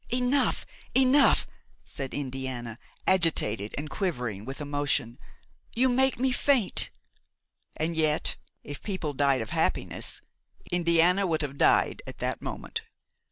"Enough! enough!" said Indiana, agitated and quivering with emotion, "you make me faint." And yet, if people died of happiness, Indiana would have died at that moment.